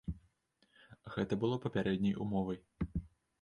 Гэта было папярэдняй умовай.